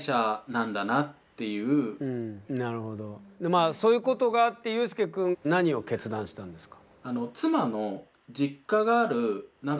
まあそういうことがあってユースケ君何を決断したんですか？